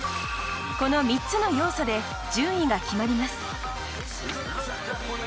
この３つの要素で順位が決まります。